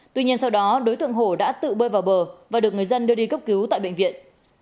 tuy nhiên sau đó đối tượng hổ đã tự bơi vào bờ và được người dân đưa đi cấp cứu tại bệnh viện